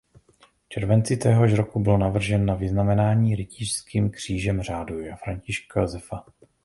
V červenci téhož roku byl navržen na vyznamenání rytířským křížem řádu Františka Josefa.